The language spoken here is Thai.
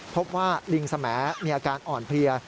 พบว่าลิงสแหมดมีอาการอ่อนเพลีย